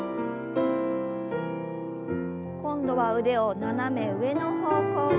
今度は腕を斜め上の方向に。